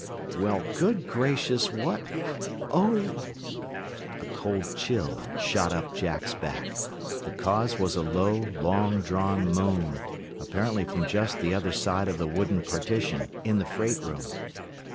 "Well, good gracious, what Oh!" A cold chill shot up Jack's back. The cause was a low, long drawn moan, apparently from just the other side of the wooden partition, in the freight room.